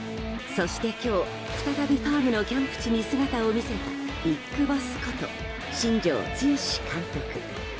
そして今日、再びファームのキャンプ地に姿を見せたビッグボスこと新庄剛志監督。